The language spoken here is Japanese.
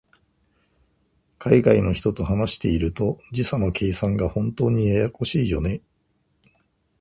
海外の人と話していると、時差の計算が本当にややこしいよね。